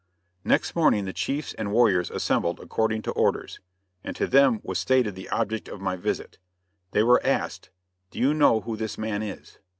Next morning the chiefs and warriors assembled according to orders, and to them was stated the object of my visit. They were asked: "Do you know who this man is?"